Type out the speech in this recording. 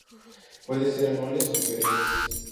Pueden ser anuales o perennes.